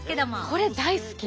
これ大好き。